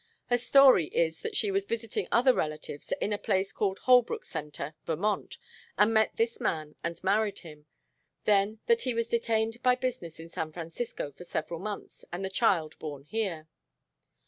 Her story is that she was visiting other relatives in a place called Holbrook Centre, Vermont, and met this man and married him. Then that he was detained by business in San Francisco for several months, and the child born here."